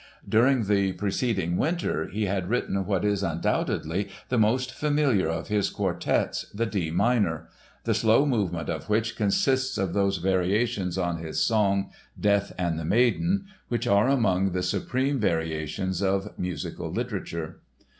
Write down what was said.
During the preceding winter he had written what is undoubtedly the most familiar of his quartets, the D minor, the slow movement of which consists of those variations on his song Death and the Maiden which are among the supreme variations of musical literature.